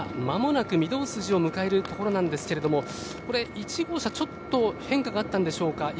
間もなく御堂筋を迎えるところなんですけれどもこれ、１号車、ちょっと変化があったんでしょうか。